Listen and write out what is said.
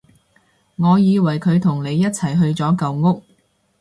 我以為佢同你一齊去咗舊屋